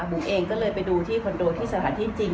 บุ๋มเองก็เลยไปดูที่คอนโดที่สถานที่จริง